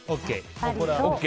ＯＫ。